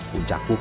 puncak ibadah haji